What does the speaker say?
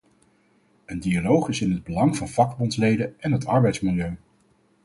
Een dialoog is in het belang van vakbondsleden en het arbeidsmilieu.